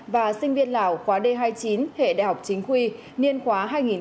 và sinh viên lào khóa d hai mươi chín hệ đại học chính quy niên khóa hai nghìn hai mươi hai hai nghìn hai mươi